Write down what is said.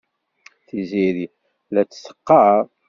Tiziri la t-teqqar.